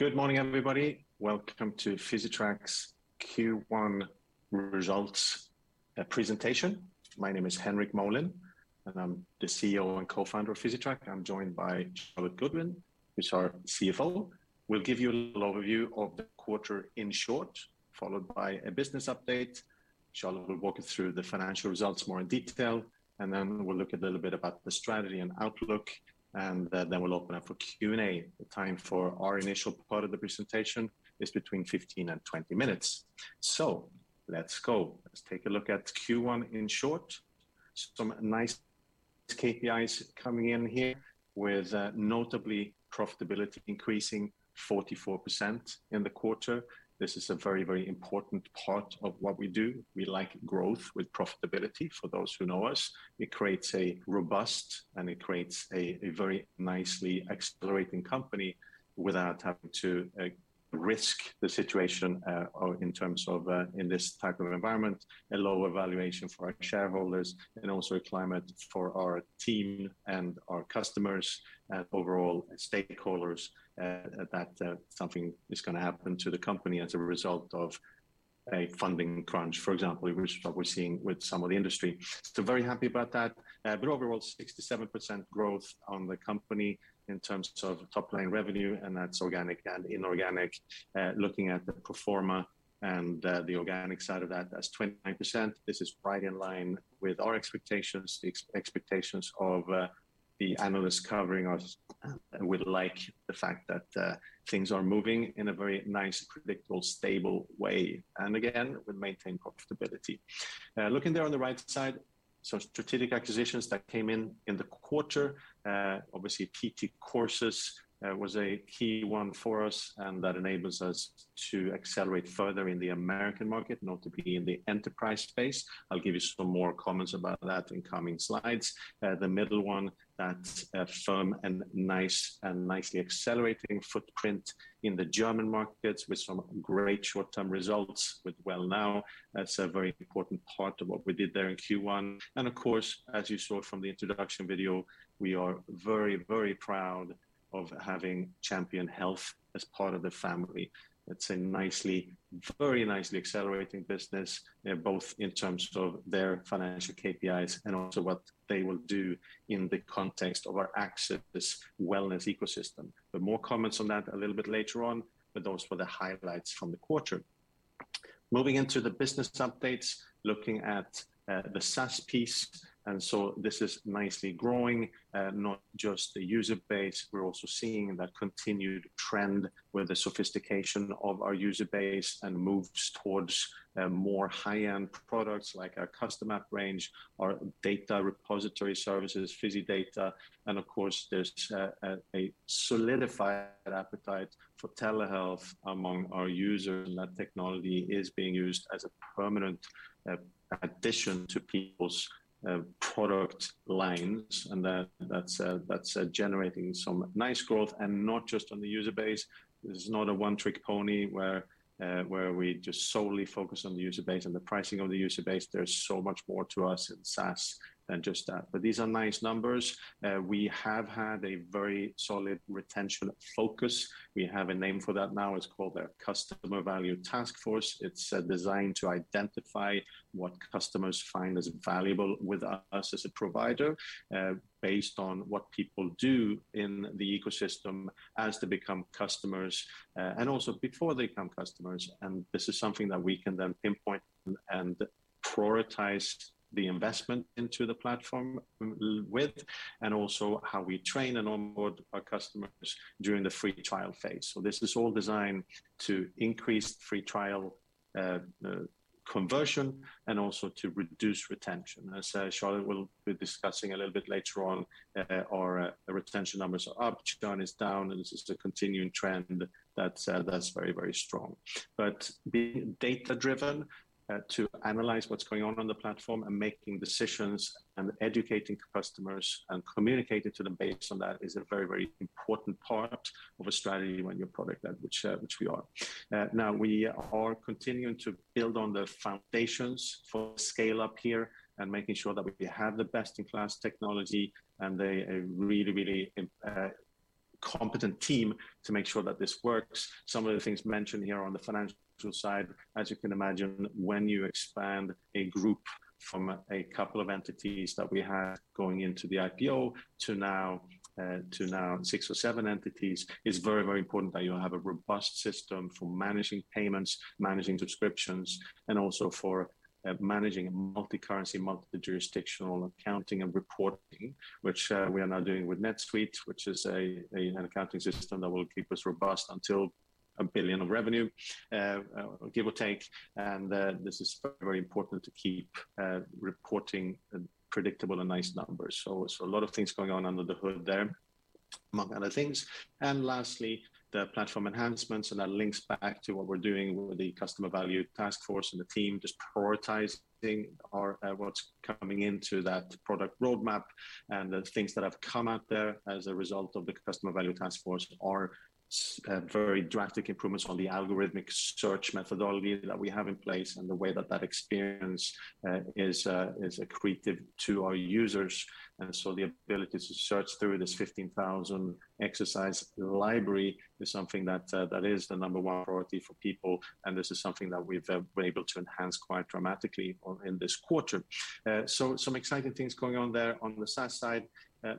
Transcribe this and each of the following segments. Good morning, everybody. Welcome to Physitrack's Q1 results presentation. My name is Henrik Molin, and I'm the CEO and co-founder of Physitrack. I'm joined by Charlotte Goodwin, who's our CFO. We'll give you a little overview of the quarter in short, followed by a business update. Charlotte will walk you through the financial results more in detail, and then we'll look a little bit about the strategy and outlook, and then we'll open up for Q&A. The time for our initial part of the presentation is between 15 and 20 minutes. Let's go. Let's take a look at Q1 in short. Some nice KPIs coming in here with notably profitability increasing 44% in the quarter. This is a very, very important part of what we do. We like growth with profitability for those who know us. It creates a robust and very nicely accelerating company without having to risk the situation or in terms of in this type of environment, a lower valuation for our shareholders and also a climate for our team and our customers, overall stakeholders, that something is gonna happen to the company as a result of a funding crunch. For example, which is what we're seeing with some of the industry. Very happy about that. Overall, 67% growth on the company in terms of top-line revenue, and that's organic and inorganic. Looking at the pro forma and the organic side of that's 29%. This is right in line with our expectations of the analysts covering us. We like the fact that, things are moving in a very nice, predictable, stable way, and again, we maintain profitability. Looking there on the right side, some strategic acquisitions that came in in the quarter. Obviously PT Courses was a key one for us, and that enables us to accelerate further in the American market, notably in the enterprise space. I'll give you some more comments about that in coming slides. The middle one, that's a firm and nice and nicely accelerating footprint in the German markets with some great short-term results with Wellnow. That's a very important part of what we did there in Q1. Of course, as you saw from the introduction video, we are very, very proud of having Champion Health as part of the family. It's a nicely, very nicely accelerating business, both in terms of their financial KPIs and also what they will do in the context of our Access wellness ecosystem. More comments on that a little bit later on, but those were the highlights from the quarter. Moving into the business updates, looking at the SaaS piece, this is nicely growing, not just the user base. We're also seeing that continued trend with the sophistication of our user base and moves towards more high-end products like our CustomApp range, our data repository services, Physidata. Of course, there's a solidified appetite for telehealth among our users, and that technology is being used as a permanent addition to people's product lines. That's generating some nice growth and not just on the user base. This is not a one-trick pony where we just solely focus on the user base and the pricing of the user base. There's so much more to us in SaaS than just that. These are nice numbers. We have had a very solid retention focus. We have a name for that now. It's called the Customer Value Task Force. It's designed to identify what customers find as valuable with us as a provider, based on what people do in the ecosystem as they become customers, and also before they become customers. This is something that we can then pinpoint and prioritize the investment into the platform with, and also how we train and onboard our customers during the free trial phase. This is all designed to increase free trial conversion and also to reduce retention. As Charlotte will be discussing a little bit later on, our retention numbers are up, churn is down, and this is the continuing trend that's very strong. Being data-driven to analyze what's going on on the platform and making decisions and educating customers and communicating to them based on that is a very important part of a strategy when you're product-led, which we are. Now we are continuing to build on the foundations for scale-up here and making sure that we have the best-in-class technology and a really competent team to make sure that this works. Some of the things mentioned here on the financial side, as you can imagine, when you expand a group from a couple of entities that we had going into the IPO to now six or seven entities, it's very, very important that you have a robust system for managing payments, managing subscriptions, and also for managing multi-currency, multiple jurisdictional accounting and reporting, which we are now doing with NetSuite, which is an accounting system that will keep us robust until 1 billion of revenue, give or take. This is very important to keep reporting predictable and nice numbers. A lot of things going on under the hood there. Among other things. Lastly, the platform enhancements, and that links back to what we're doing with the Customer Value Task Force and the team just prioritizing our what's coming into that product roadmap and the things that have come out there as a result of the Customer Value Task Force are very drastic improvements on the algorithmic search methodology that we have in place and the way that that experience is accretive to our users. The ability to search through this 15,000 exercise library is something that that is the number one priority for people, and this is something that we've been able to enhance quite dramatically in this quarter. Some exciting things going on there on the SaaS side.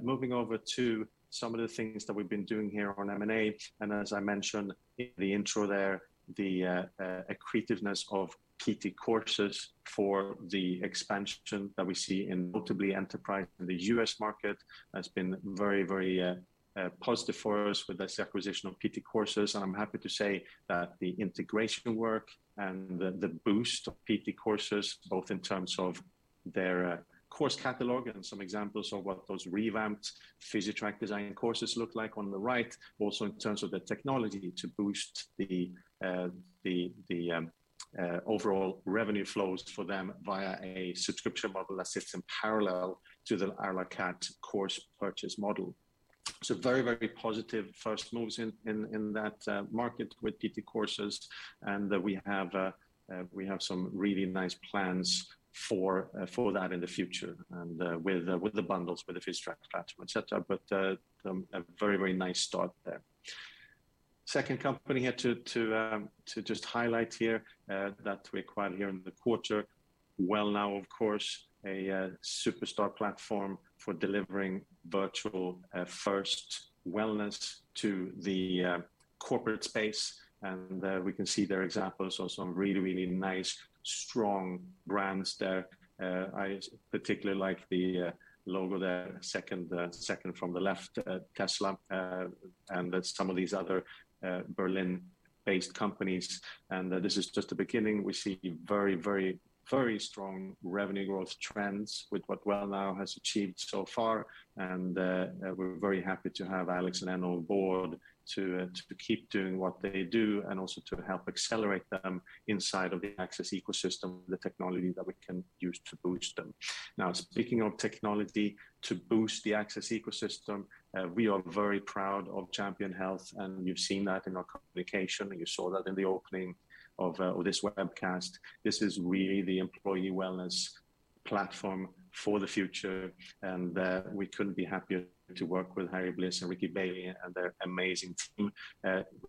Moving over to some of the things that we've been doing here on M&A, and as I mentioned in the intro there, the accretiveness of PT Courses for the expansion that we see in notably enterprise in the US market has been very positive for us with this acquisition of PT Courses. I'm happy to say that the integration work and the boost of PT Courses, both in terms of their course catalog and some examples of what those revamped Physitrack design courses look like on the right, also in terms of the technology to boost the overall revenue flows for them via a subscription model that sits in parallel to the à la carte course purchase model. Very, very positive first moves in that market with PT Courses and that we have some really nice plans for that in the future and with the bundles, with the Physitrack platform, et cetera. A very, very nice start there. Second company here to just highlight here that we acquired here in the quarter, Wellnow, of course, a superstar platform for delivering virtual first wellness to the corporate space. We can see their examples of some really, really nice strong brands there. I particularly like the logo there, second from the left, Tesla, and then some of these other Berlin-based companies. This is just the beginning. We see very strong revenue growth trends with what Wellnow has achieved so far. We're very happy to have Alex and Anne on board to keep doing what they do and also to help accelerate them inside of the Access ecosystem, the technology that we can use to boost them. Now, speaking of technology to boost the Access ecosystem, we are very proud of Champion Health, and you've seen that in our communication, and you saw that in the opening of this webcast. This is really the employee wellness platform for the future, and we couldn't be happier to work with Harry Bliss and Ricky Bailey and their amazing team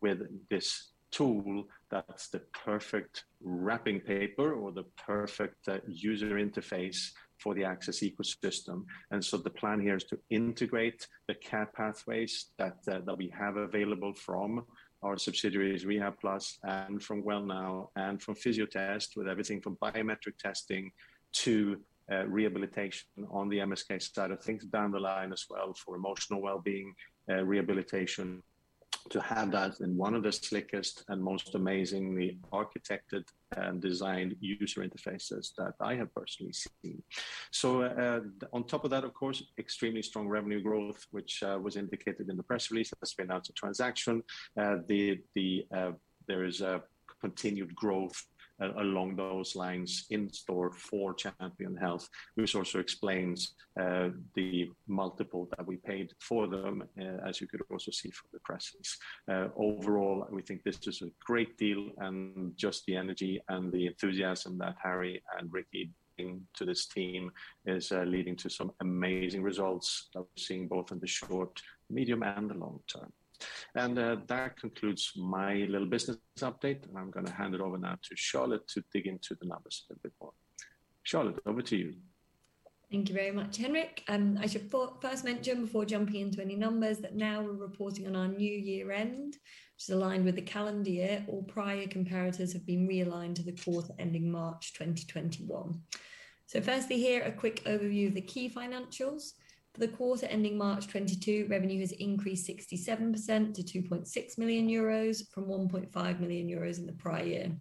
with this tool that's the perfect wrapping paper or the perfect user interface for the Access ecosystem. The plan here is to integrate the care pathways that we have available from our subsidiaries Rehabplus and from Wellnow and from Fysiotest with everything from biometric testing to rehabilitation on the MSK side of things down the line as well for emotional wellbeing rehabilitation, to have that in one of the slickest and most amazingly architected and designed user interfaces that I have personally seen. On top of that, of course, extremely strong revenue growth, which was indicated in the press release as we announced the transaction. There is a continued growth along those lines in store for Champion Health, which also explains the multiple that we paid for them, as you could also see from the press release. Overall, we think this is a great deal, and just the energy and the enthusiasm that Harry and Ricky bring to this team is leading to some amazing results that we're seeing both in the short, medium, and the long term. That concludes my little business update, and I'm gonna hand it over now to Charlotte to dig into the numbers a little bit more. Charlotte, over to you. Thank you very much, Henrik. I should first mention before jumping into any numbers that now we're reporting on our new year-end, which is aligned with the calendar year. All prior comparators have been realigned to the quarter ending March 2021. Firstly here, a quick overview of the key financials. For the quarter ending March 2022, revenue has increased 67% to 2.6 million euros from 1.5 million euros in the prior year.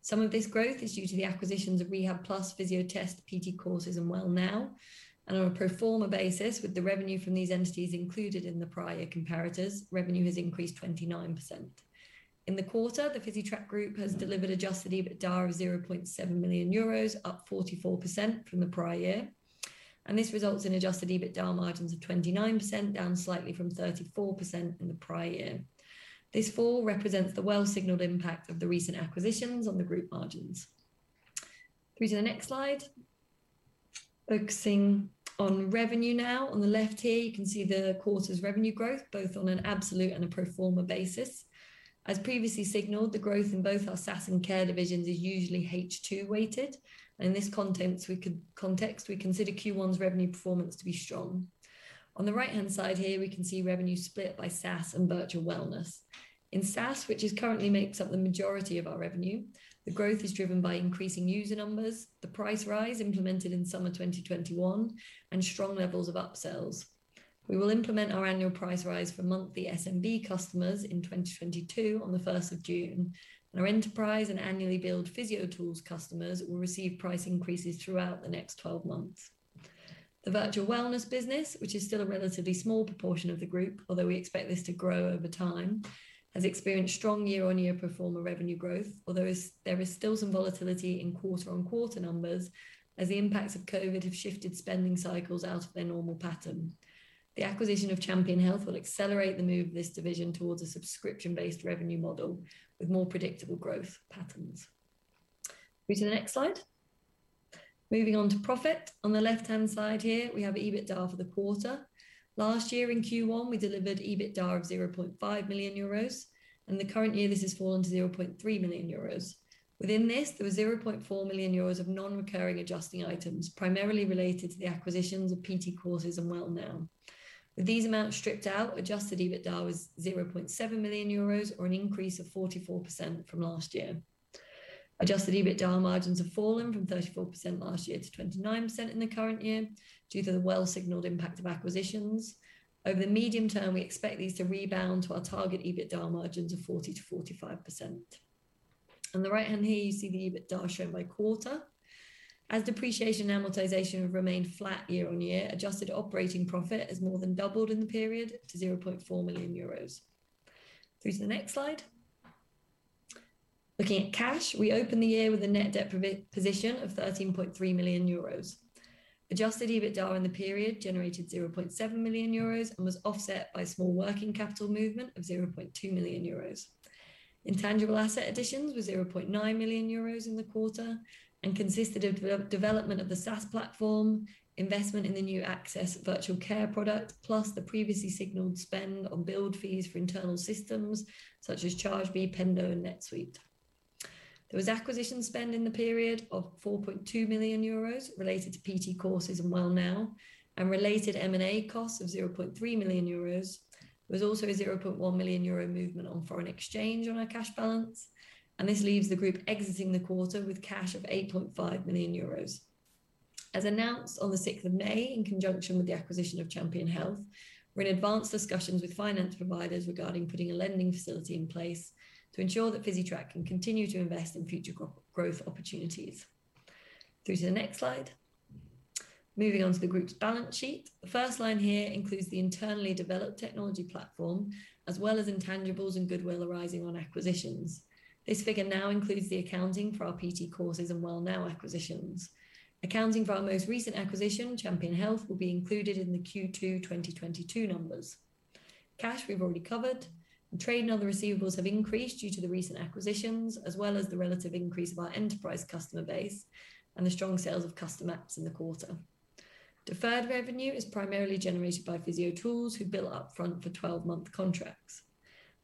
Some of this growth is due to the acquisitions of Rehabplus, Fysiotest, PT Courses, and Wellnow. On a pro forma basis, with the revenue from these entities included in the prior comparators, revenue has increased 29%. In the quarter, the Physitrack Group has delivered adjusted EBITDA of 0.7 million euros, up 44% from the prior year. This results in adjusted EBITDA margins of 29%, down slightly from 34% in the prior year. This fall represents the well-signaled impact of the recent acquisitions on the group margins. Turn to the next slide. Focusing on revenue now. On the left here, you can see the quarter's revenue growth, both on an absolute and a pro forma basis. As previously signaled, the growth in both our SaaS and care divisions are usually H2 weighted. In this context, we consider Q1's revenue performance to be strong. On the right-hand side here, we can see revenue split by SaaS and virtual wellness. In SaaS, which is currently makes up the majority of our revenue, the growth is driven by increasing user numbers, the price rise implemented in summer 2021, and strong levels of upsells. We will implement our annual price rise for monthly SMB customers in 2022 on June 1. Our enterprise and annually billed Physiotools customers will receive price increases throughout the next 12 months. The virtual wellness business, which is still a relatively small proportion of the group, although we expect this to grow over time, has experienced strong year-on-year performing revenue growth. Although there is still some volatility in quarter-on-quarter numbers as the impacts of COVID have shifted spending cycles out of their normal pattern. The acquisition of Champion Health will accelerate the move of this division towards a subscription-based revenue model with more predictable growth patterns. Turn to the next slide. Moving on to profit. On the left-hand side here, we have EBITDA for the quarter. Last year in Q1, we delivered EBITDA of 0.5 million euros, and the current year this has fallen to 0.3 million euros. Within this, there was 0.4 million euros of non-recurring adjusting items, primarily related to the acquisitions of PT Courses and Wellnow. With these amounts stripped out, adjusted EBITDA was 0.7 million euros, or an increase of 44% from last year. Adjusted EBITDA margins have fallen from 34% last year to 29% in the current year due to the well-signaled impact of acquisitions. Over the medium term, we expect these to rebound to our target EBITDA margins of 40%-45%. On the right hand here, you see the EBITDA shown by quarter. As depreciation and amortization have remained flat year-on-year, adjusted operating profit has more than doubled in the period to 0.4 million euros. Through to the next slide. Looking at cash, we open the year with a net debt position of 13.3 million euros. Adjusted EBITDA in the period generated 0.7 million euros and was offset by small working capital movement of 0.2 million euros. Intangible asset additions were 0.9 million euros in the quarter and consisted of development of the SaaS platform, investment in the new Access virtual care product, plus the previously signaled spend on build fees for internal systems such as Chargebee, Pendo, and NetSuite. There was acquisition spend in the period of 4.2 million euros related to PT Courses and Wellnow, and related M&A costs of 0.3 million euros. There was also a 0.1 million euro movement on foreign exchange on our cash balance, and this leaves the group exiting the quarter with cash of 8.5 million euros. As announced on the sixth of May, in conjunction with the acquisition of Champion Health, we're in advanced discussions with finance providers regarding putting a lending facility in place to ensure that Physitrack can continue to invest in future growth opportunities. Through to the next slide. Moving on to the group's balance sheet. The first line here includes the internally developed technology platform as well as intangibles and goodwill arising on acquisitions. This figure now includes the accounting for our PT Courses and Wellnow acquisitions. Accounting for our most recent acquisition, Champion Health, will be included in the Q2 2022 numbers. Cash we've already covered. The trade and other receivables have increased due to the recent acquisitions, as well as the relative increase of our enterprise customer base and the strong sales of custom apps in the quarter. Deferred revenue is primarily generated by Physiotools, who bill up front for 12-month contracts.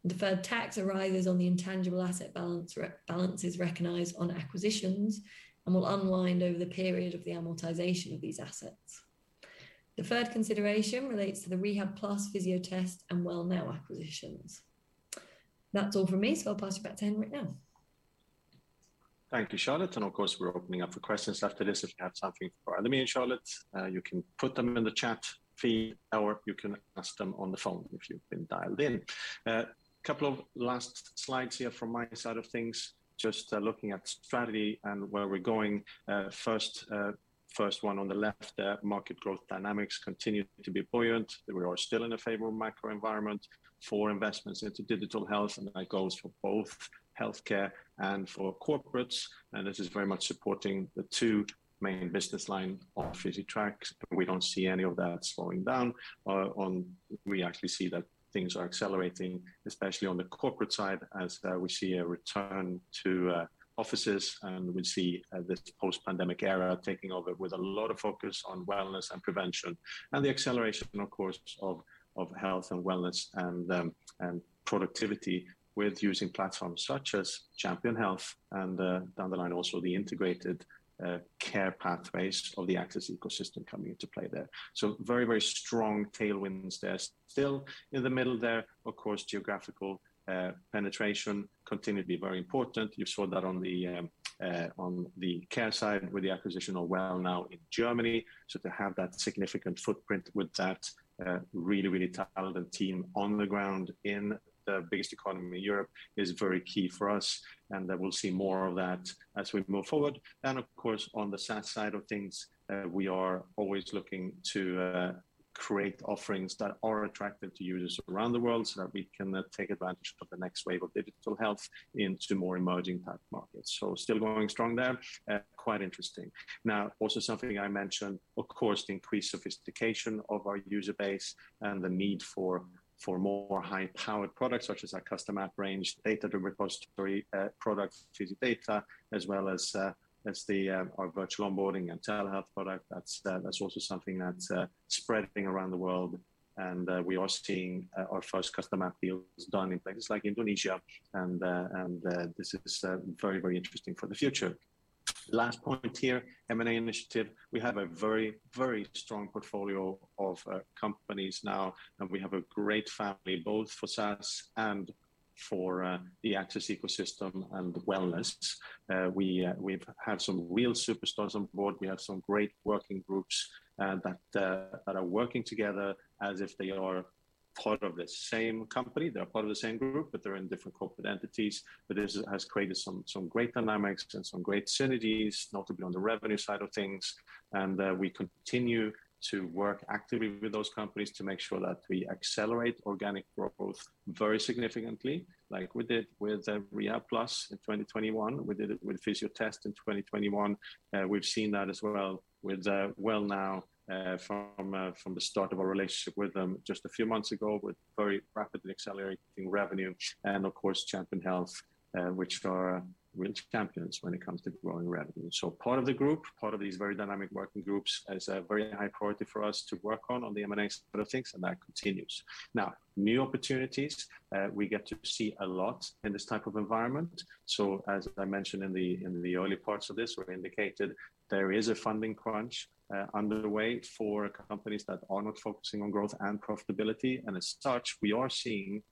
Deferred tax arises on the intangible asset balance re-balances recognized on acquisitions and will unwind over the period of the amortization of these assets. Deferred consideration relates to the Rehabplus, Fysiotest, and Wellnow acquisitions. That's all from me, so I'll pass you back to Henrik now. Thank you, Charlotte. Of course, we're opening up for questions after this if you have something for either me and Charlotte. You can put them in the chat feed, or you can ask them on the phone if you've been dialed in. Couple of last slides here from my side of things, looking at strategy and where we're going. First one on the left, market growth dynamics continue to be buoyant. We are still in a favorable macro environment for investments into digital health, and that goes for both healthcare and for corporates. This is very much supporting the two main business line of Physitrack. We don't see any of that slowing down, on. We actually see that things are accelerating, especially on the corporate side as we see a return to offices, and we see this post-pandemic era taking over with a lot of focus on wellness and prevention and the acceleration, of course, of health and wellness and productivity with using platforms such as Champion Health and down the line also the integrated care pathways of the Access ecosystem coming into play there. Very, very strong tailwinds there. Still in the middle there, of course, geographical penetration continue to be very important. You saw that on the care side with the acquisition of Wellnow in Germany. To have that significant footprint with that, really, really talented team on the ground in the biggest economy in Europe is very key for us, and then we'll see more of that as we move forward. Of course, on the SaaS side of things, we are always looking to create offerings that are attractive to users around the world so that we can take advantage of the next wave of digital health into more emerging type markets. Still going strong there. Quite interesting. Now, also something I mentioned, of course, the increased sophistication of our user base and the need for more high-powered products such as our CustomApp range, data repository product, Physidata, as well as our virtual onboarding and telehealth product. That's also something that's spreading around the world. We are seeing our first custom app deals done in places like Indonesia and this is very, very interesting for the future. Last point here, M&A initiative. We have a very, very strong portfolio of companies now, and we have a great family both for SaaS and for the Access ecosystem and wellness. We’ve had some real superstars on board. We have some great working groups that are working together as if they are part of the same company, they’re part of the same group, but they’re in different corporate entities. This has created some great dynamics and some great synergies, notably on the revenue side of things. We continue to work actively with those companies to make sure that we accelerate organic growth both very significantly, like we did with Rehabplus in 2021. We did it with Fysiotest in 2021. We've seen that as well with Wellnow from the start of our relationship with them just a few months ago, with very rapidly accelerating revenue, and of course, Champion Health, which are real champions when it comes to growing revenue. Part of the group, part of these very dynamic working groups is a very high priority for us to work on on the M&A side of things, and that continues. Now, new opportunities, we get to see a lot in this type of environment. As I mentioned in the early parts of this, we indicated there is a funding crunch underway for companies that are not focusing on growth and profitability. As such, we are seeing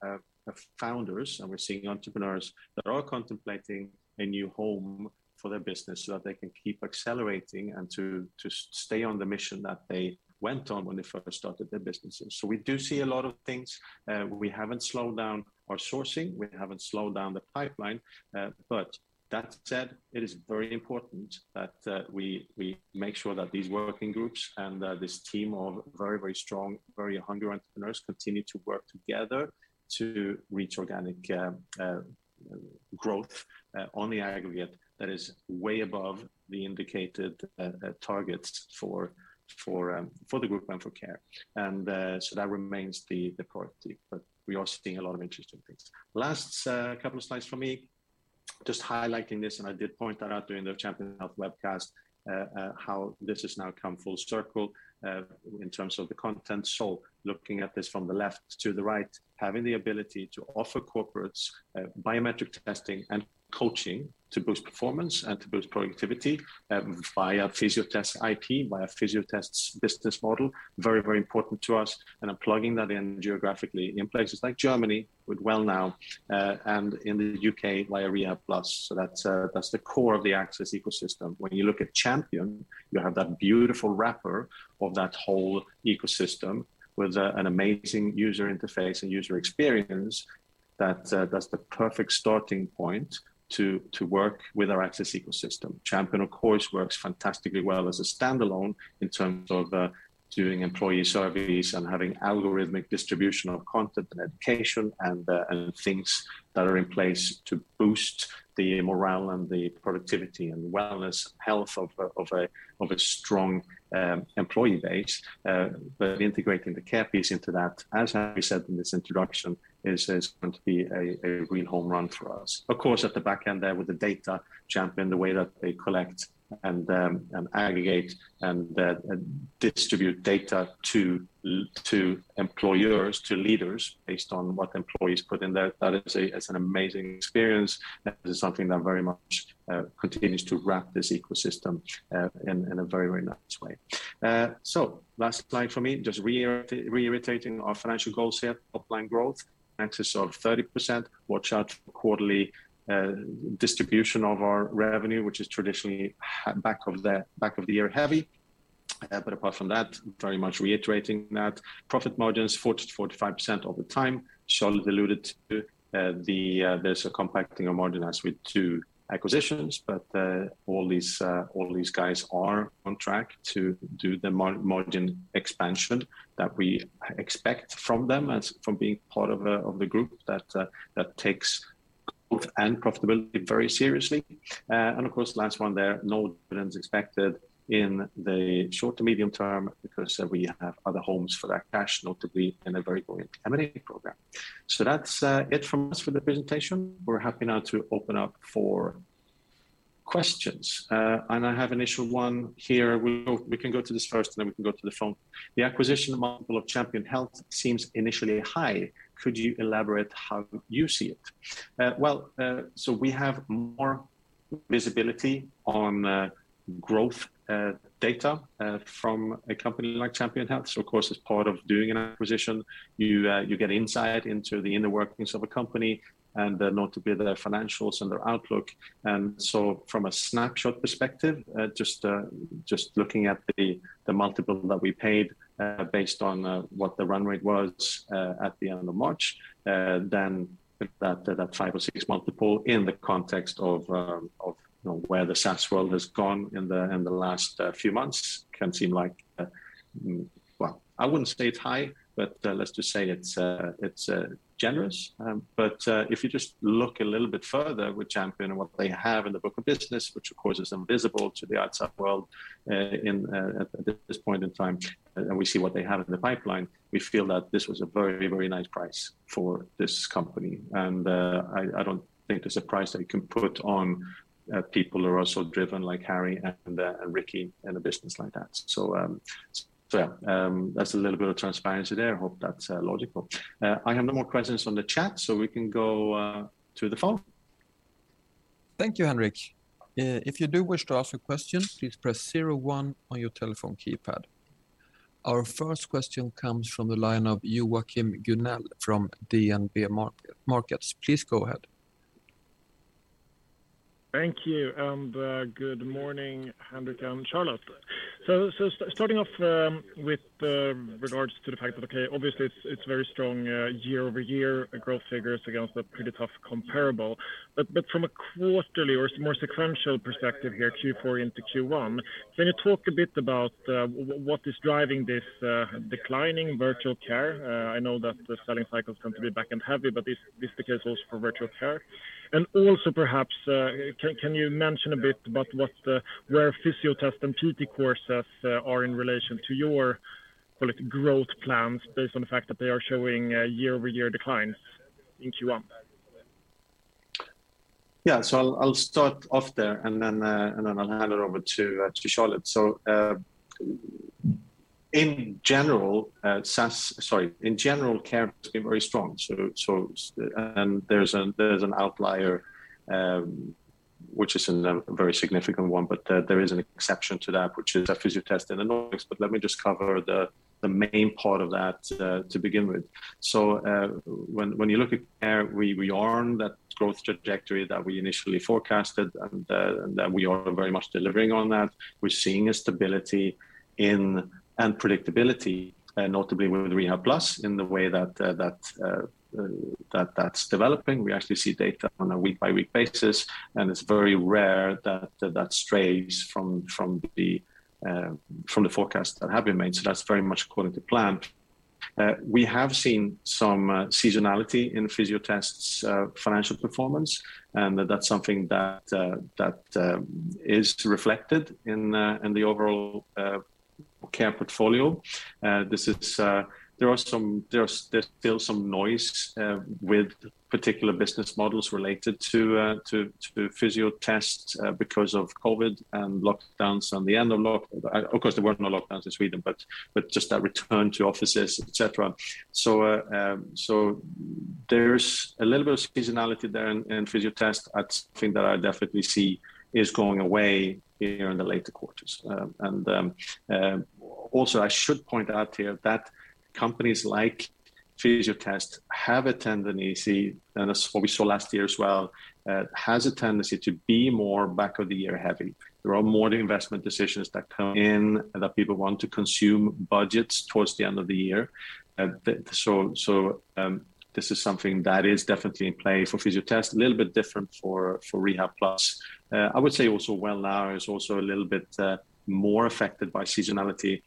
founders, and we're seeing entrepreneurs that are contemplating a new home for their business, so that they can keep accelerating and to stay on the mission that they went on when they first started their businesses. We do see a lot of things. We haven't slowed down our sourcing. We haven't slowed down the pipeline. That said, it is very important that we make sure that these working groups and this team of very strong, very hungry entrepreneurs continue to work together to reach organic growth on the aggregate that is way above the indicated targets for the group and for care. That remains the priority. We are seeing a lot of interesting things. Last couple of slides for me, just highlighting this, and I did point that out during the Champion Health webcast, how this has now come full circle in terms of the content. Looking at this from the left to the right, having the ability to offer corporates, biometric testing and coaching to boost performance and to boost productivity, via Fysiotest's IP, via Fysiotest's business model, very, very important to us. I'm plugging that in geographically in places like Germany with Wellnow, and in the UK via Rehabplus. That's the core of the Access ecosystem. When you look at Champion, you have that beautiful wrapper of that whole ecosystem with an amazing user interface and user experience that's the perfect starting point to work with our Access ecosystem. Champion, of course, works fantastically well as a standalone in terms of doing employee surveys and having algorithmic distribution of content and education and things that are in place to boost the morale and the productivity and wellness, health of a strong employee base. Integrating the care piece into that, as Harry said in his introduction, is going to be a real home run for us. Of course, at the back end there with the data, Champion, the way that they collect and aggregate and distribute data to employers, to leaders based on what employees put in there, that is an amazing experience. That is something that very much continues to wrap this ecosystem in a very nice way. Last slide for me, just reiterating our financial goals here. Top-line growth in excess of 30%. Watch out for quarterly distribution of our revenue, which is traditionally back of the year heavy. Apart from that, very much reiterating that profit margin is 40%-45% all the time. Charlotte alluded to the compression of margin as with two acquisitions, but all these guys are on track to do the margin expansion that we expect from them as from being part of the group that takes growth and profitability very seriously. Of course, last one there, no dividends expected in the short to medium term because we have other homes for that cash, notably in a very growing M&A program. That's it from us for the presentation. We're happy now to open up for questions. I have an initial one here. We can go to this first, and then we can go to the phone. The acquisition multiple of Champion Health seems initially high. Could you elaborate how you see it? We have more visibility on growth data from a company like Champion Health. Of course, as part of doing an acquisition, you get insight into the inner workings of a company and notably their financials and their outlook. From a snapshot perspective, just looking at the multiple that we paid, based on what the run rate was at the end of March, then that 5 or 6 multiple in the context of, where the SaaS world has gone in the last few months can seem like, well, I wouldn't say it's high, but let's just say it's generous. But if you just look a little bit further with Champion and what they have in the book of business, which of course is invisible to the outside world at this point in time, and we see what they have in the pipeline, we feel that this was a very, very nice price for this company. I don't think there's a price that you can put on people who are so driven like Harry and Ricky in a business like that. Yeah, that's a little bit of transparency there. Hope that's logical. I have no more questions on the chat, so we can go to the phone. Thank you, Henrik. If you do wish to ask a question, please press zero one on your telephone keypad. Our first question comes from the line of Joachim Gunell from DNB Markets. Please go ahead. Thank you. Good morning, Henrik and Charlotte. Starting off with regards to the fact that obviously it's very strong year-over-year growth figures against a pretty tough comparable. From a quarterly or more sequential perspective here, Q4 into Q1, can you talk a bit about what is driving this declining virtual care? I know that the selling cycles come to be back and heavy, but is this the case also for virtual care? Also perhaps can you mention a bit about where Fysiotest and PT Courses are in relation to your call it growth plans based on the fact that they are showing year-over-year declines in Q1? Yeah. I'll start off there and then I'll hand it over to Charlotte. In general, care has been very strong. There's an outlier which isn't a very significant one, but there is an exception to that, which is Fysiotest in the Nordics. Let me just cover the main part of that to begin with. When you look at care, we are on that growth trajectory that we initially forecasted, and that we are very much delivering on that. We're seeing a stability and predictability, notably with Rehabplus in the way that that's developing. We actually see data on a week-by-week basis, and it's very rare that strays from the forecasts that have been made. That's very much according to plan. We have seen some seasonality in Fysiotest's financial performance, and that's something that is reflected in the overall care portfolio. There's still some noise with particular business models related to Fysiotest because of COVID and lockdowns and the end of lockdowns. Of course, there weren't no lockdowns in Sweden, but just that return to offices, et cetera. There's a little bit of seasonality there in Fysiotest. That's something that I definitely see is going away here in the later quarters. I should point out here that companies like Fysiotest have a tendency, and as what we saw last year as well, has a tendency to be more back of the year heavy. There are more investment decisions that come in that people want to consume budgets towards the end of the year. This is something that is definitely in play for Fysiotest. A little bit different for Rehabplus. I would say also Wellnow is also a little bit more affected by seasonality,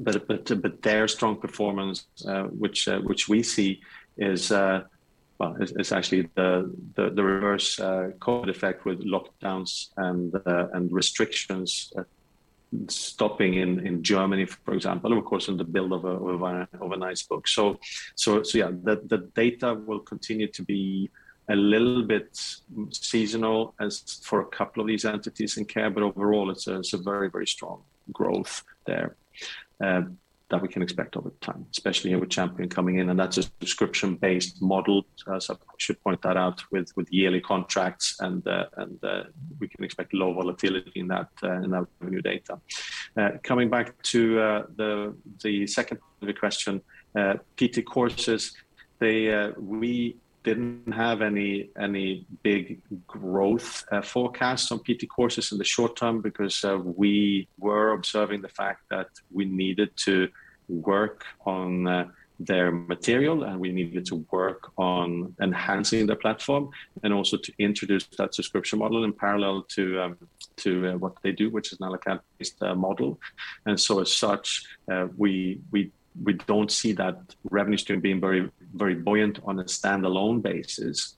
but their strong performance, which we see is actually the reverse COVID effect with lockdowns and restrictions stopping in Germany, for example, of course, in the buildup of a nice book. Yeah, the data will continue to be a little bit seasonal as for a couple of these entities in care, but overall it's a very strong growth there, that we can expect over time, especially with Champion coming in, and that's a subscription-based model. I should point that out with yearly contracts and we can expect low volatility in that new data. Coming back to the second part of the question, PT Courses, we didn't have any big growth forecasts on PT Courses in the short term because we were observing the fact that we needed to work on their material, and we needed to work on enhancing the platform and also to introduce that subscription model in parallel to what they do, which is an account-based model. As such, we don't see that revenue stream being very buoyant on a standalone basis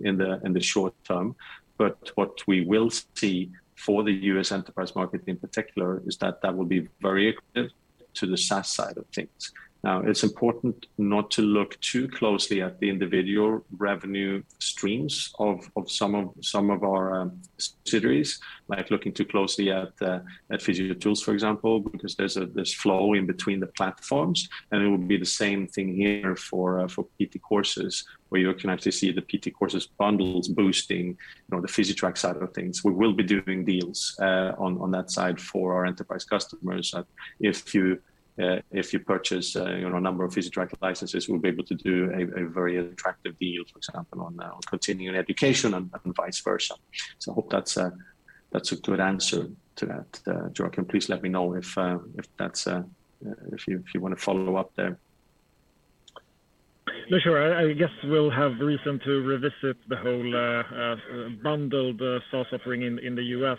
in the short term. What we will see for the U.S. enterprise market in particular is that that will be very accretive to the SaaS side of things. Now, it's important not to look too closely at the individual revenue streams of some of our subsidiaries, like looking too closely at Physiotools, for example, because there's flow in between the platforms, and it would be the same thing here for PT Courses, where you can actually see the PT Courses bundles boosting, the Physitrack side of things. We will be doing deals on that side for our enterprise customers that if you purchase, a number of Physitrack licenses, we'll be able to do a very attractive deal, for example, on continuing education and vice versa. I hope that's a good answer to that, Joakim. Please let me know if you wanna follow up there. Yeah, sure. I guess we'll have reason to revisit the whole bundled SaaS offering in the US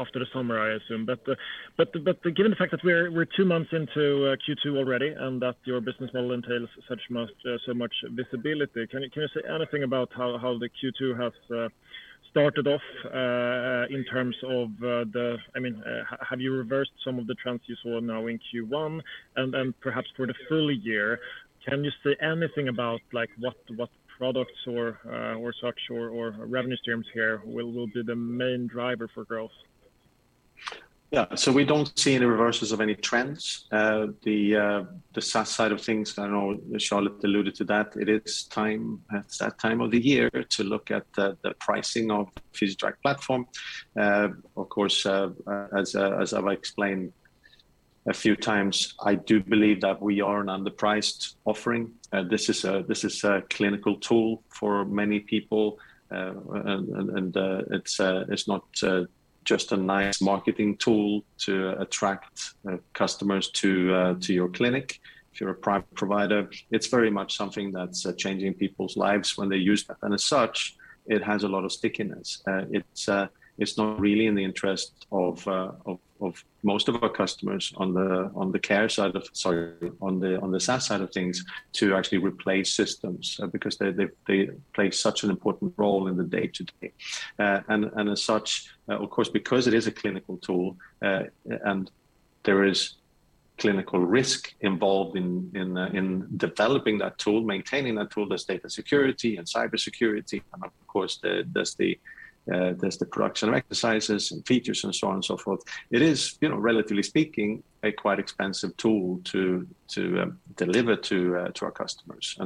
after the summer, I assume. But given the fact that we're two months into Q2 already and that your business model entails so much visibility, can you say anything about how the Q2 has started off in terms of, I mean, have you reversed some of the trends you saw now in Q1? Perhaps for the full year, can you say anything about like what products or such or revenue streams here will be the main driver for growth? Yeah. We don't see any reverses of any trends. The SaaS side of things, I know Charlotte alluded to that. It is time. It's that time of the year to look at the pricing of Physitrack platform. Of course, as I've explained a few times, I do believe that we are an underpriced offering. This is a clinical tool for many people. It's not just a nice marketing tool to attract customers to your clinic if you're a private provider. It's very much something that's changing people's lives when they use that. As such, it has a lot of stickiness. It's not really in the interest of most of our customers on the care side of. Sorry, on the SaaS side of things to actually replace systems, because they play such an important role in the day-to-day. As such, of course, because it is a clinical tool, and there is clinical risk involved in developing that tool, maintaining that tool, there's data security and cybersecurity, and of course there's the production exercises and features and so on and so forth. It is, relatively speaking, a quite expensive tool to deliver to our customers.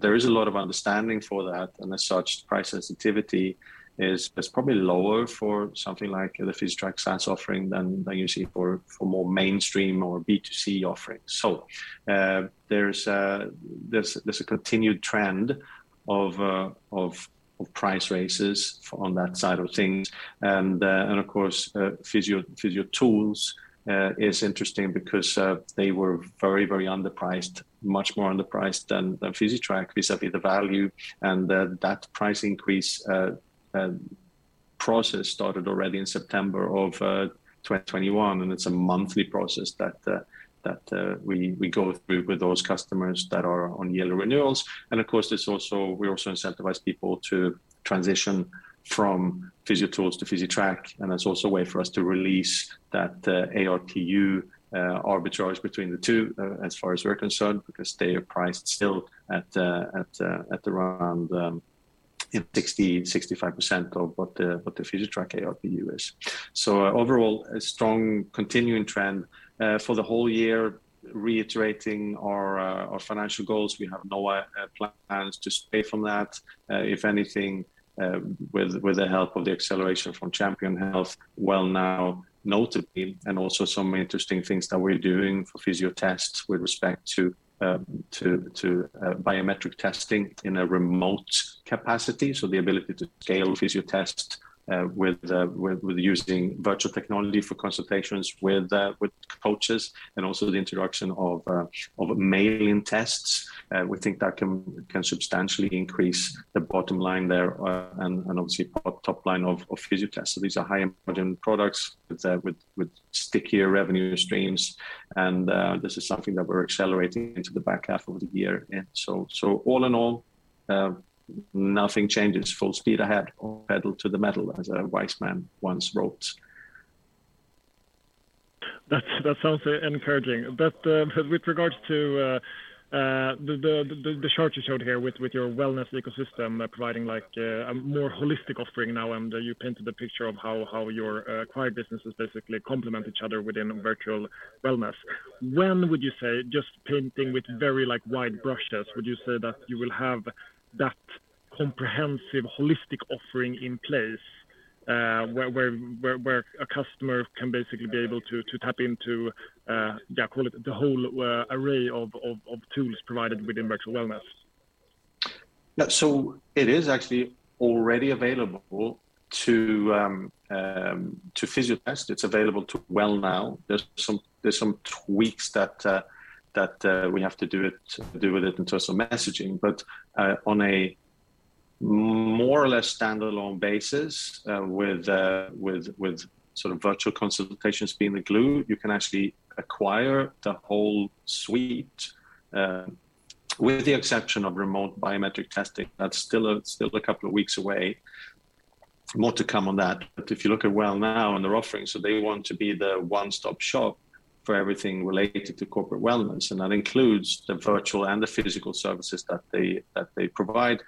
There is a lot of understanding for that. As such, price sensitivity is probably lower for something like the Physitrack SaaS offering than you see for more mainstream or B2C offerings. There's a continued trend of price raises on that side of things. Of course, Physiotools is interesting because they were very underpriced, much more underpriced than Physitrack vis-a-vis the value. That price increase process started already in September of 2021, and it's a monthly process that we go through with those customers that are on yearly renewals. Of course, we also incentivize people to transition from Physiotools to Physitrack, and that's also a way for us to release that ARPU arbitrage between the two as far as we're concerned, because they are priced still at around,60%-65% of what the Physitrack ARPU is. Overall, a strong continuing trend for the whole year. Reiterating our financial goals, we have no plans to stray from that, if anything, with the help of the acceleration from Champion Health, Wellnow notably, and also some interesting things that we're doing for Fysiotest with respect to biometric testing in a remote capacity. The ability to scale Fysiotest with using virtual technology for consultations with coaches and also the introduction of mailing tests. We think that can substantially increase the bottom line there, and obviously top line of Fysiotest. These are highly important products with stickier revenue streams. This is something that we're accelerating into the back half of the year. All in all, nothing changes. Full speed ahead, pedal to the metal as a wise man once wrote. That sounds encouraging. With regards to the chart you showed here with your wellness ecosystem providing like a more holistic offering now, and you painted the picture of how your acquired businesses basically complement each other within virtual wellness. When would you say just painting with very like wide brushes, would you say that you will have that comprehensive holistic offering in place, where a customer can basically be able to to tap into, yeah, call it the whole array of tools provided within virtual wellness? Yeah. It is actually already available to Fysiotest. It's available to Wellnow. There's some tweaks that we have to do with it in terms of messaging. On a more or less standalone basis, with sort of virtual consultations being the glue, you can actually acquire the whole suite, with the exception of remote biometric testing, that's still a couple of weeks away. More to come on that. If you look at Wellnow and their offerings, so they want to be the one-stop shop for everything related to corporate wellness, and that includes the virtual and the physical services that they provide.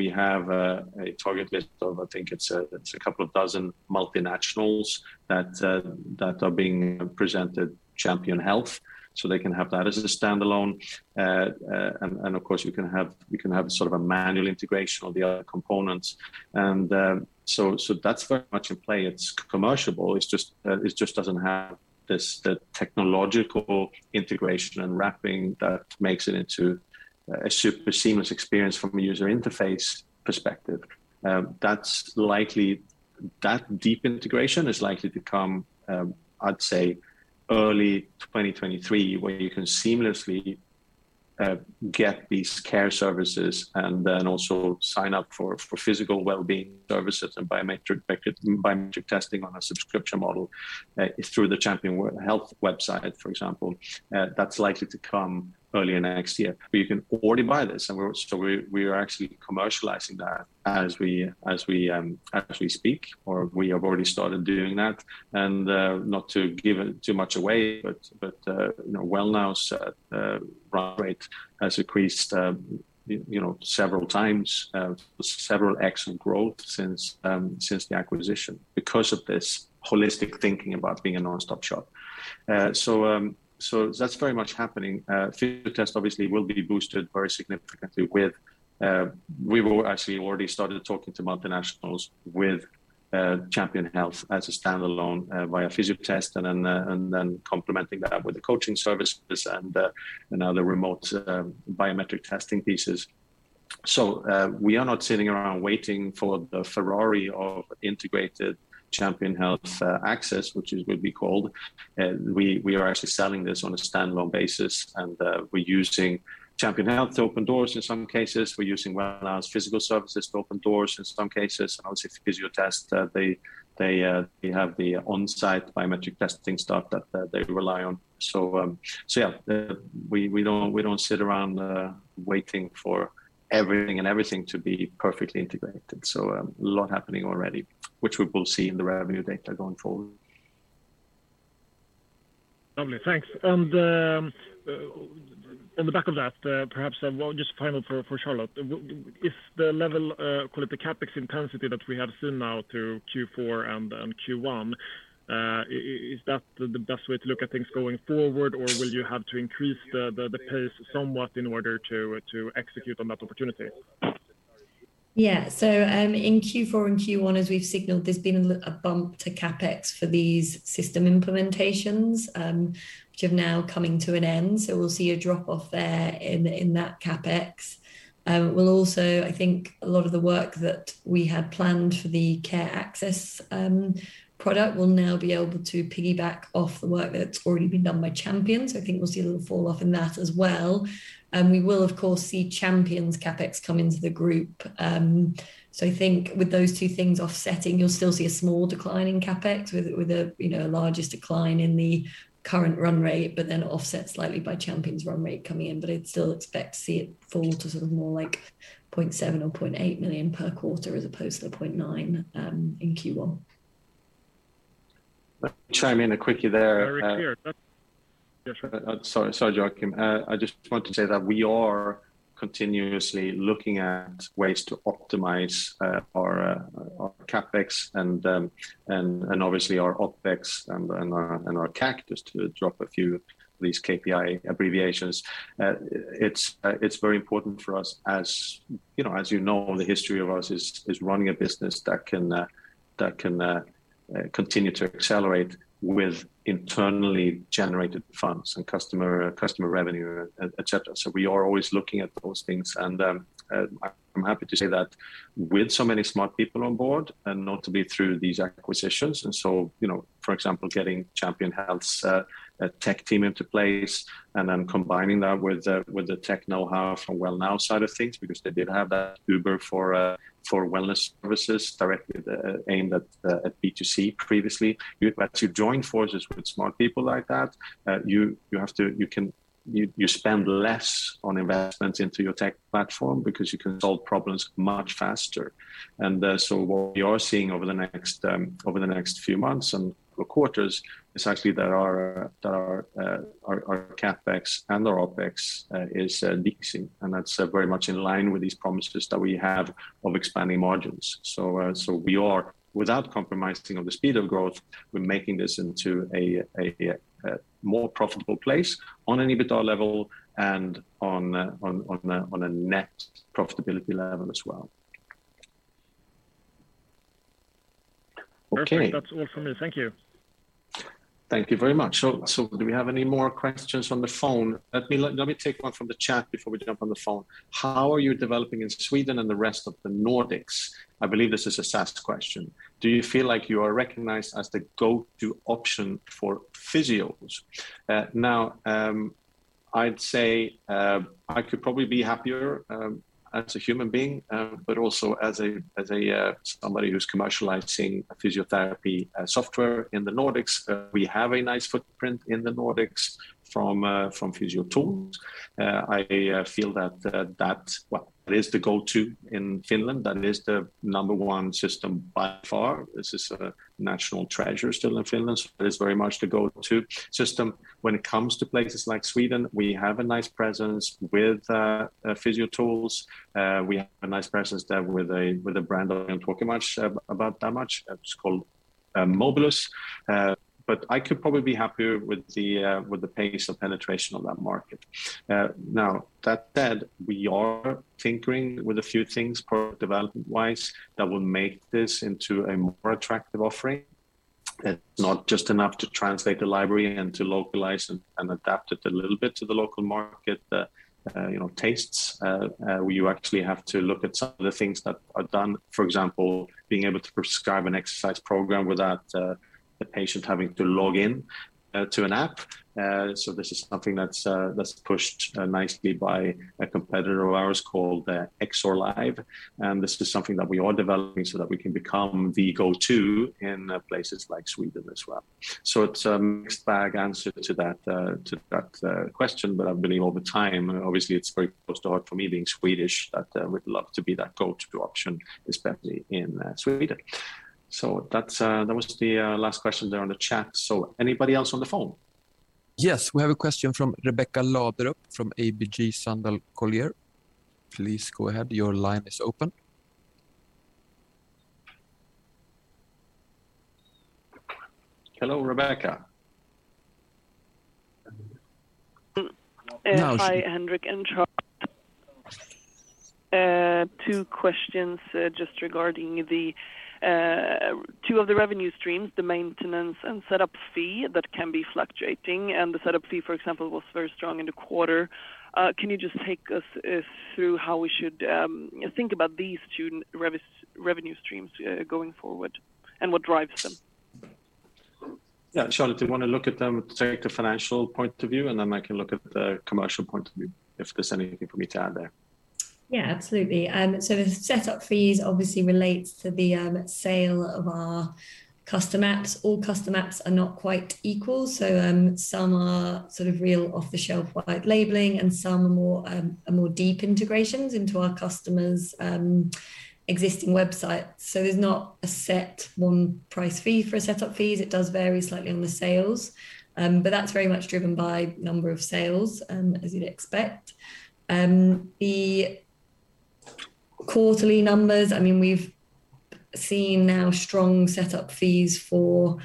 We have a target list of, I think it's a couple of dozen multinationals that are being presented to Champion Health, so they can have that as a standalone. Of course you can have sort of a manual integration of the other components. That's very much in play. It's commercially viable, it's just it doesn't have the technological integration and wrapping that makes it into a super seamless experience from a user interface perspective. That deep integration is likely to come, I'd say early 2023, where you can seamlessly get these care services and then also sign up for physical wellbeing services and biometric testing on a subscription model through the Champion Health website, for example. That's likely to come early next year. You can already buy this. We are actually commercializing that as we speak or we have already started doing that. Not to give it too much away, but Wellnow's run rate has increased, several times, excellent growth since the acquisition because of this holistic thinking about being a one-stop shop. That's very much happening. Fysiotest obviously will be boosted very significantly with, we've actually already started talking to multinationals with Champion Health as a standalone via Fysiotest, and then complementing that with the coaching services and other remote biometric testing pieces. We are not sitting around waiting for the Ferrari of integrated Champion Health Access, which is what we called. We are actually selling this on a standalone basis, and we're using Champion Health to open doors in some cases. We're using Wellnow's physical services to open doors in some cases. Obviously, Fysiotest, they have the onsite biometric testing stuff that they rely on. We don't sit around waiting for everything to be perfectly integrated. A lot happening already, which we will see in the revenue data going forward. Lovely. Thanks. On the back of that, perhaps, well, just final for Charlotte. If the level, call it the CapEx intensity that we have seen now through Q4 and Q1, is that the best way to look at things going forward? Or will you have to increase the pace somewhat in order to execute on that opportunity? Yeah. In Q4 and Q1, as we've signaled, there's been a bump to CapEx for these system implementations, which are now coming to an end. We'll see a drop-off there in that CapEx. We'll also. I think a lot of the work that we had planned for the Access product will now be able to piggyback off the work that's already been done by Champion. I think we'll see a little fall off in that as well. We will, of course, see Champion's CapEx come into the group. I think with those two things offsetting, you'll still see a small decline in CapEx with a largest decline in the current run rate, but then offset slightly by Champion's run rate coming in. I'd still expect to see it fall to sort of more like 0.7 million or 0.8 million per quarter as opposed to the 0.9 million in Q1. Let me chime in a quickie there. Very clear. Yeah, sure. Sorry, Joachim. I just want to say that we are continuously looking at ways to optimize our CapEx and obviously our OpEx and our CAC, just to drop a few of these KPI abbreviations. It's very important for us, as the history of us is running a business that can continue to accelerate with internally generated funds and customer revenue, et cetera. We are always looking at those things. I'm happy to say that with so many smart people on board, and not to be through these acquisitions. For example, getting Champion Health's tech team into place and then combining that with the tech know-how from Wellnow side of things because they did have that Uber for wellness services directly aimed at B2C previously. But to join forces with smart people like that, you spend less on investments into your tech platform because you can solve problems much faster. What we are seeing over the next few months and quarters is actually that our CapEx and our OpEx is decreasing, and that's very much in line with these promises that we have of expanding margins. We are, without compromising on the speed of growth, we're making this into a more profitable place on an EBITDA level and on a net profitability level as well. Perfect. Okay. That's all from me. Thank you. Thank you very much. Do we have any more questions on the phone? Let me take one from the chat before we jump on the phone. How are you developing in Sweden and the rest of the Nordics? I believe this is a SaaS question. Do you feel like you are recognized as the go-to option for physios? I'd say I could probably be happier as a human being but also as a somebody who's commercializing a physiotherapy software in the Nordics. We have a nice footprint in the Nordics from Physiotools. I feel that well it is the go-to in Finland. That is the number one system by far. This is a national treasure still in Finland. It is very much the go-to system. When it comes to places like Sweden, we have a nice presence with Physiotools. We have a nice presence there with a brand I don't talk much about that much. It's called Mobilus. But I could probably be happier with the pace of penetration on that market. Now, that said, we are tinkering with a few things pro-development-wise that will make this into a more attractive offering. It's not just enough to translate the library and to localize and adapt it a little bit to the local market, tastes. You actually have to look at some of the things that are done. For example, being able to prescribe an exercise program without the patient having to log in to an app. This is something that's pushed nicely by a competitor of ours called Exor Live. This is something that we are developing so that we can become the go-to in places like Sweden as well. It's a mixed bag answer to that question, but I believe over time, obviously, it's very close to heart for me being Swedish that we'd love to be that go-to option, especially in Sweden. That was the last question there on the chat. Anybody else on the phone? Yes. We have a question from Rebecca Laderup from ABG Sundal Collier. Please go ahead. Your line is open. Hello, Rebecca. Hi, Henrik and Charlotte. Two questions, just regarding the two of the revenue streams, the maintenance and setup fee that can be fluctuating, and the setup fee, for example, was very strong in the quarter. Can you just take us through how we should think about these two revenue streams going forward, and what drives them? Yeah. Charlotte, do you wanna look at them, take the financial point of view, and then I can look at the commercial point of view if there's anything for me to add there. Yeah, absolutely. The setup fees obviously relates to the sale of our custom apps. All custom apps are not quite equal, so some are sort of real off-the-shelf white labeling, and some are more deep integrations into our customers' existing website. There's not a set one price fee for a setup fees. It does vary slightly on the sales, but that's very much driven by number of sales, as you'd expect. The quarterly numbers, I mean we've seen now strong setup fees for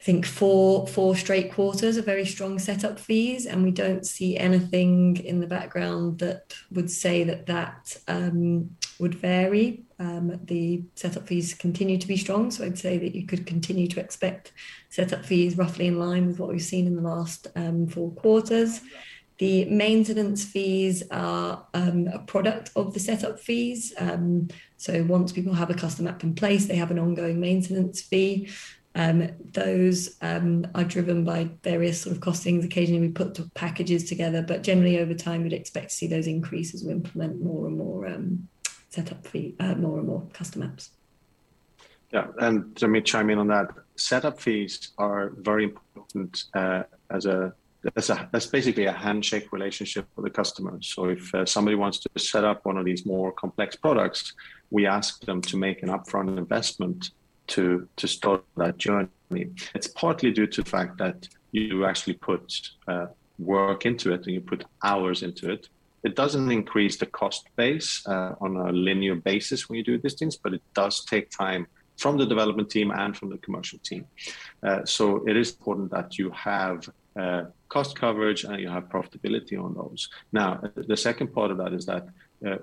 I think four straight quarters of very strong setup fees, and we don't see anything in the background that would say that would vary. The set-up fees continue to be strong, so I'd say that you could continue to expect set up fees roughly in line with what we've seen in the last Q4. The maintenance fees are a product of the set-up fees. Once people have a custom app in place, they have an ongoing maintenance fee. Those are driven by various sort of costings. Occasionally, we put packages together. Generally, over time, we'd expect to see those increase as we implement more and more custom apps. Yeah. Let me chime in on that. Setup fees are very important. That's basically a handshake relationship with the customer. If somebody wants to set up one of these more complex products, we ask them to make an upfront investment to start that journey. It's partly due to the fact that you actually put work into it, and you put hours into it. It doesn't increase the cost base on a linear basis when you do these things, but it does take time from the development team and from the commercial team. It is important that you have cost coverage, and you have profitability on those. Now, the second part of that is that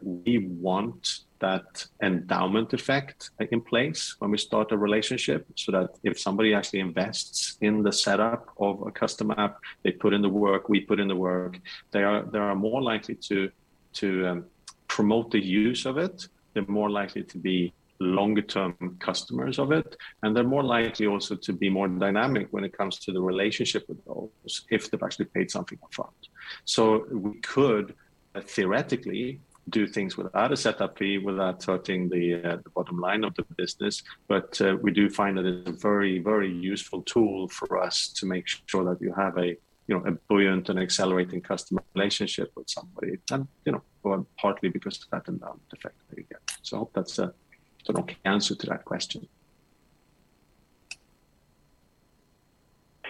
we want that endowment effect, like, in place when we start a relationship, so that if somebody actually invests in the setup of a custom app, they put in the work, we put in the work, they are more likely to promote the use of it. They're more likely to be longer-term customers of it, and they're more likely also to be more dynamic when it comes to the relationship with all of us if they've actually paid something upfront. We could theoretically do things without a setup fee, without touching the bottom line of the business. We do find that it's a very, very useful tool for us to make sure that you have a, a buoyant and accelerating customer relationship with somebody. Well, partly because of that endowment effect that you get. I hope that's an okay answer to that question.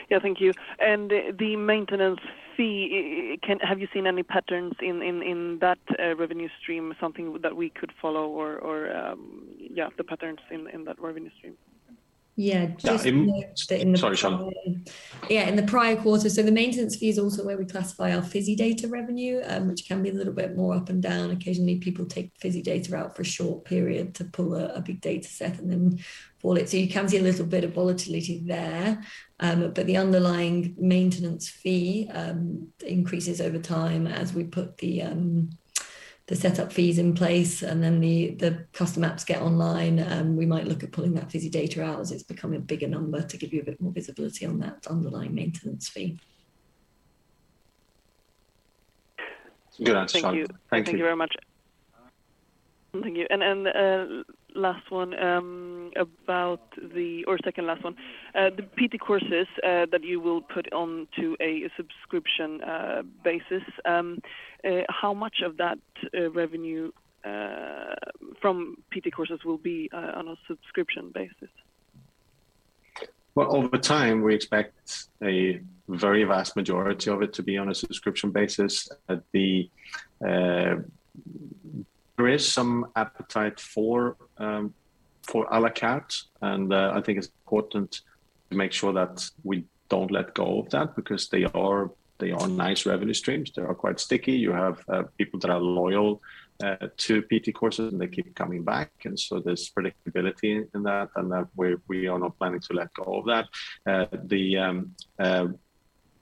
Yeah. Thank you. The maintenance fee, have you seen any patterns in that revenue stream? Something that we could follow or, yeah, the patterns in that revenue stream? Yeah. Yeah. Note that in the prior. Sorry, Charlotte. Yeah. In the prior quarter, the maintenance fee is also where we classify our Physidata revenue, which can be a little bit more up and down. Occasionally, people take Physidata out for a short period to pull a big data set and then pull it. You can see a little bit of volatility there. The underlying maintenance fee increases over time as we put the set up fees in place, and then the custom apps get online. We might look at pulling that Physidata out as it's become a bigger number to give you a bit more visibility on that underlying maintenance fee. Good answer. Thank you. Thank you. Thank you very much. Thank you. Last one. Second last one. The PT Courses that you will put onto a subscription basis, how much of that revenue from PT Courses will be on a subscription basis? Well, over time, we expect a very vast majority of it to be on a subscription basis. There is some appetite for à la carte, and I think it's important to make sure that we don't let go of that because they are nice revenue streams. They are quite sticky. You have people that are loyal to PT Courses, and they keep coming back. There's predictability in that, and we are not planning to let go of that.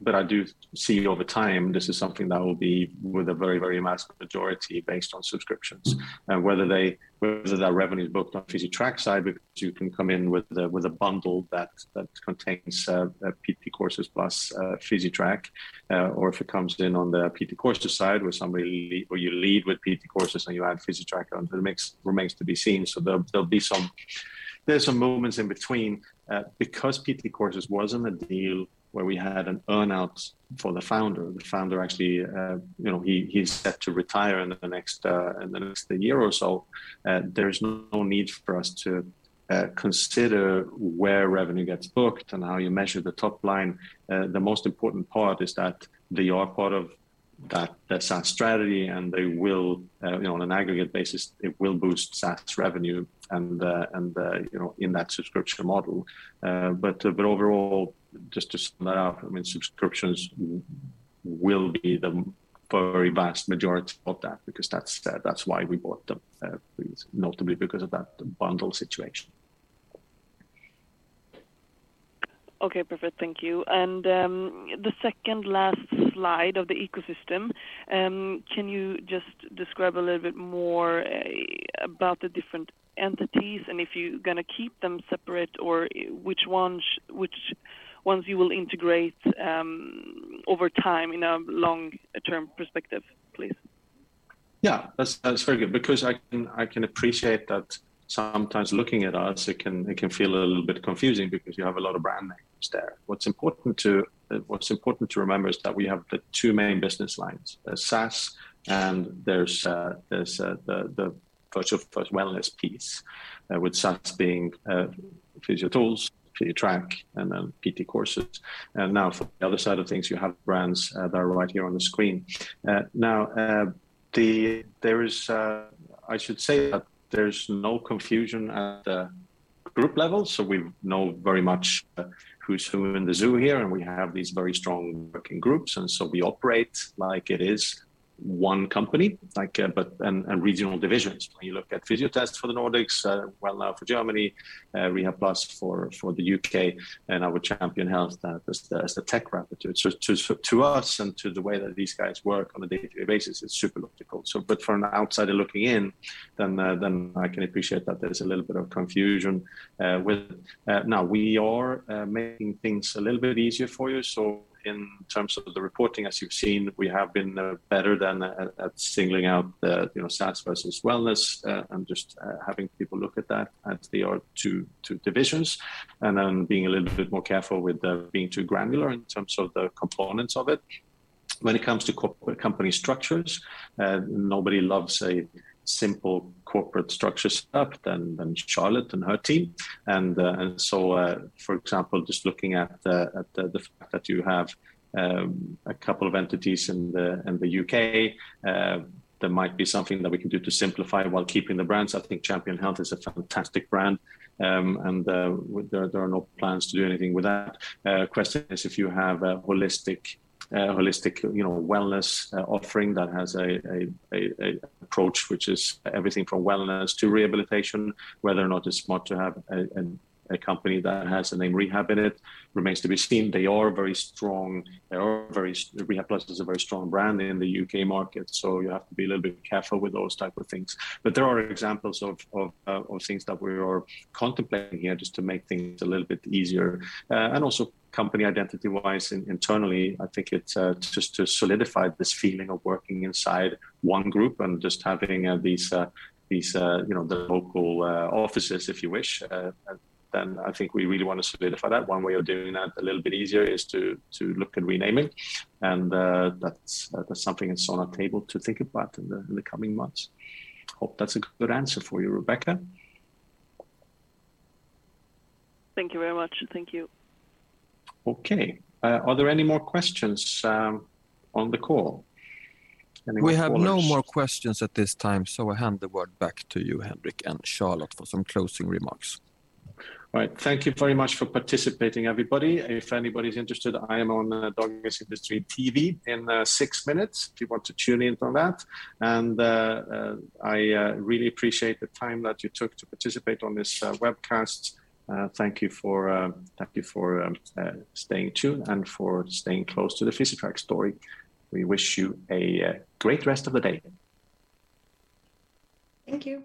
I do see over time, this is something that will be with a very vast majority based on subscriptions. Whether that revenue is booked on Physitrack side, because you can come in with a bundle that contains PT Courses plus Physitrack. If it comes in on the PT Courses side where somebody or you lead with PT Courses and you add Physitrack on, it remains to be seen. There'll be some moments in between. Because PT Courses wasn't a deal where we had an earn-out for the founder. The founder actually, he's set to retire in the next year or so. There is no need for us to consider where revenue gets booked and how you measure the top line. The most important part is that they are part of that SaaS strategy, and they will, on an aggregate basis, it will boost SaaS revenue and, in that subscription model. Overall, just to sum that up, I mean, subscriptions will be the very vast majority of that because that's why we bought them, notably because of that bundle situation. Okay. Perfect. Thank you. The second last slide of the ecosystem, can you just describe a little bit more about the different entities and if you're gonna keep them separate or which ones you will integrate over time in a long term perspective, please? Yeah. That's very good because I can appreciate that sometimes looking at us it can feel a little bit confusing because you have a lot of brand names there. What's important to remember is that we have the two main business lines, the SaaS, and there's the virtual first wellness piece, with SaaS being Physiotools, Physitrack, and then PT Courses. Now for the other side of things, you have brands that are right here on the screen. I should say that there's no confusion at the group level, so we know very much who's who in the zoo here, and we have these very strong working groups, and so we operate like it is one company, like, but and regional divisions. When you look at Fysiotest for the Nordics, Wellnow for Germany, Rehabplus for the UK, and our Champion Health as the tech wrapper to it. To us and to the way that these guys work on a day-to-day basis, it's super logical. For an outsider looking in, I can appreciate that there's a little bit of confusion with. Now we are making things a little bit easier for you. In terms of the reporting, as you've seen, we have been better at singling out the, SaaS versus wellness, and just having people look at that as they are two divisions, and then being a little bit more careful with being too granular in terms of the components of it. When it comes to company structures, nobody loves a simple corporate structure set up than Charlotte and her team. For example, just looking at the fact that you have a couple of entities in the UK, there might be something that we can do to simplify while keeping the brands. I think Champion Health is a fantastic brand, and there are no plans to do anything with that. Question is if you have a holistic, wellness offering that has a approach which is everything from wellness to rehabilitation, whether or not it's smart to have a company that has the name Rehab in it remains to be seen. They are very strong. Rehabplus is a very strong brand in the UK market, so you have to be a little bit careful with those type of things. There are examples of things that we are contemplating here just to make things a little bit easier. Company identity-wise internally, I think it's just to solidify this feeling of working inside one group and just having these you know the local offices if you wish. I think we really wanna solidify that. One way of doing that a little bit easier is to look at renaming and that's something that's on our table to think about in the coming months. Hope that's a good answer for you, Rebecca. Thank you very much. Thank you. Okay. Are there any more questions on the call? We have no more questions at this time, so I hand the word back to you, Henrik and Charlotte, for some closing remarks. All right. Thank you very much for participating, everybody. If anybody's interested, I am on Dagens Industri TV in six minutes if you want to tune in for that. I really appreciate the time that you took to participate on this webcast. Thank you for staying tuned and for staying close to the Physitrack story. We wish you a great rest of the day. Thank you.